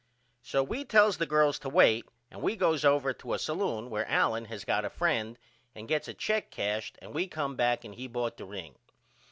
So we tells the girls to wait and we goes over to a salloon where Allen has got a friend and gets a check cashed and we come back and he bought the ring.